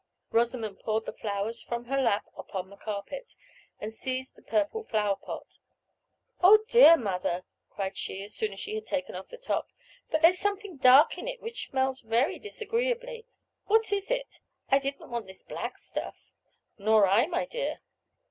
Rosamond poured the flowers from her lap upon the carpet, and seized the purple flower pot. "Oh, dear, mother!" cried she, as soon as she had taken off the top, "but there's something dark in it which smells very disagreeably. What is it? I didn't want this black stuff." "Nor I, my dear."